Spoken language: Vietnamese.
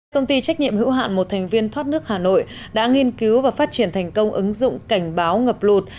công ty trách nhiệm hữu hạn một thành viên thoát nước hà nội đã nghiên cứu và phát triển thành công ứng dụng cảnh báo ngập lụt